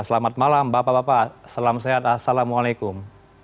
selamat malam bapak bapak salam sehat assalamualaikum